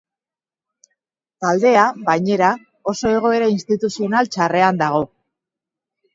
Taldea, bainera, oso egoera instituzional txarrean dago.